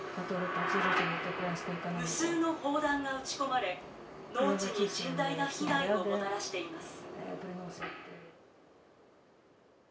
「無数の砲弾が撃ち込まれ農地に甚大な被害をもたらしています」。